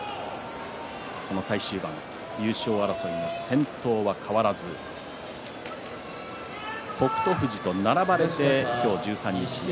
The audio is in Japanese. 最終盤優勝争いの先頭は変わらず北勝富士と並ばれて今日十三日目。